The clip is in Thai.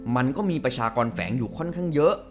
มันก็มีประชากรแฝงอยู่ค่อนข้างเยอะ